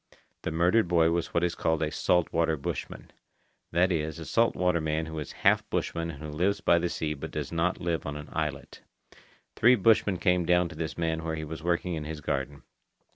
The murdered boy was what is called a salt water bushman—that is, a salt water man who is half bushman and who lives by the sea but does not live on an islet. Three bushmen came down to this man where he was working in his garden.